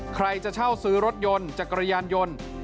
ใครจะเช่าซื้อรถยนต์จักรยานยนต์